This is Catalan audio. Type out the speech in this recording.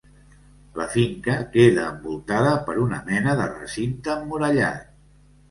La finca queda envoltada per una mena de recinte emmurallat.